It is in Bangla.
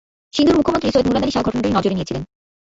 সিন্ধুর মুখ্যমন্ত্রী সৈয়দ মুরাদ আলী শাহ ঘটনাটি নজরে নিয়েছিলেন।